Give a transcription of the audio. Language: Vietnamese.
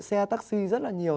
xe taxi rất là nhiều